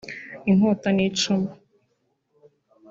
inkota n’icumu